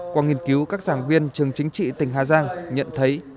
qua nghiên cứu các giảng viên trường chính trị tỉnh hà giang nhận thấy